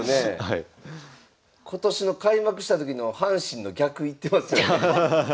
今年の開幕した時の阪神の逆いってますよね。